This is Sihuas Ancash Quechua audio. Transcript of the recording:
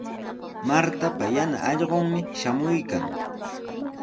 Martapa yana allqunmi shamuykan.